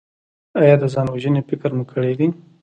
ایا د ځان وژنې فکر مو کړی دی؟